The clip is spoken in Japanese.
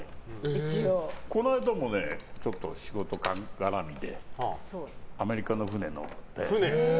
この間も仕事絡みでアメリカの船に乗って。